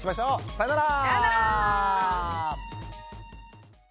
さよなら。